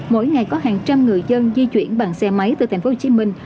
mỗi ngày có hàng trăm người dân di chuyển bằng xe máy từ thành phố hồ chí minh